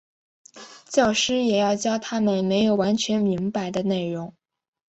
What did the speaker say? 教师也要教他们没有完全明白的内容。